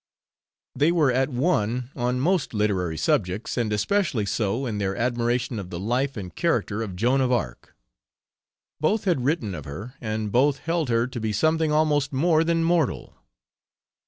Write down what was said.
They were at one on most literary subjects, and especially so in their admiration of the life and character of Joan of Arc. Both had written of her, and both held her to be something almost more than mortal.